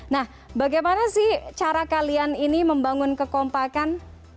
nah bagaimana sih cara kalian ini membangun kekompakan